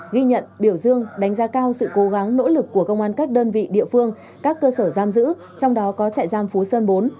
ghi nhận biểu dương đánh giá cao sự cố gắng nỗ lực của công an các đơn vị địa phương các cơ sở giam giữ trong đó có trại giam phú sơn bốn